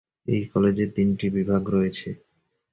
এই কলেজে তিনটি বিভাগ রয়েছে।